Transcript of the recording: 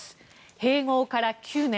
併合から９年。